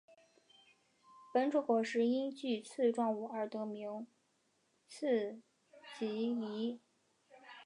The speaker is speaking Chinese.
本种果实因具刺状物而得名刺蒺藜。